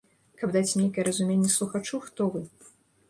Каб даць нейкае разуменне слухачу, хто вы.